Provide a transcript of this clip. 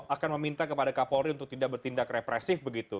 akan meminta kepada kapolri untuk tidak bertindak represif begitu